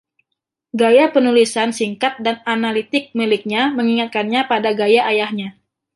Gaya penulisan singkat dan analitik miliknya mengingatkan pada gaya ayahnya.